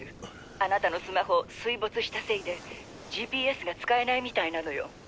あなたのスマホ水没したせいでＧＰＳが使えないみたいなのよ。